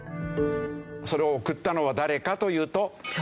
それを送ったのは誰かというと。